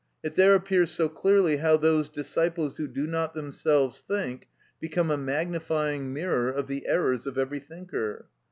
It there appears so clearly how those disciples who do not themselves think become a magnifying mirror of the errors of every thinker.